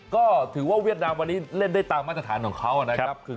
ก็ถือว่าเวียดนามวันนี้เล่นได้ตามมาตรฐานของเขานะครับ